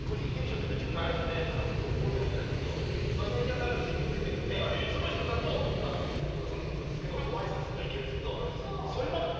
僕、今、自分の会社で大手に入ってないんですけどマネジャーさんがついてくれてるのでその人だと、さっきのうのさんにもそうですけどごあいさつとかに行けるんですけどそれまで僕。